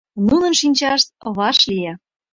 Нунын шинчашт ваш лие.